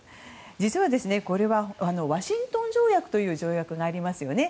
実は、これはワシントン条約という条約がありますよね。